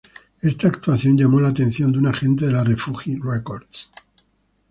Esta actuación llamó la atención de un agente de la Refuge Records.